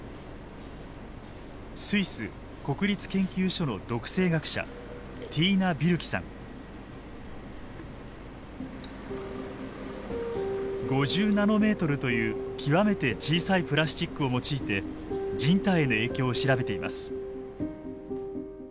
スイス国立研究所の毒性学者５０ナノメートルという極めて小さいプラスチックを用いて人体への影響を調べています。